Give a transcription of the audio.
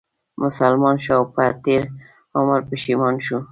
مسلمان شو او په تېر عمر پښېمان شو